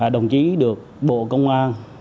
đồng chí được bộ công an